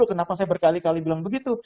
kenapa saya berkali kali bilang begitu